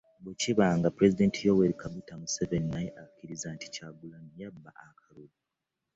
Bwe kiba nga Pulezidenti Yoweri Kaguta Museveni naye akkiriza nti Kyagulanyi yabba akalulu